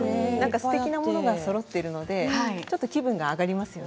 すてきなものがそろっているのでちょっと気分が上がりますよね。